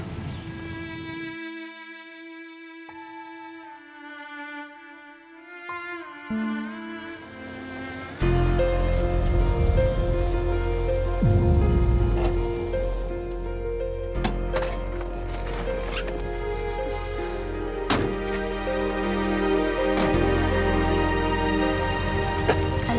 sampai jumpa lagi